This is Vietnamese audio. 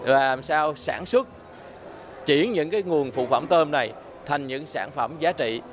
làm sao sản xuất chuyển những nguồn phụ phẩm tôm này thành những sản phẩm giá trị